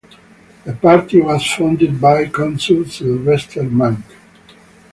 The party was funded by consul Sylvester Mank.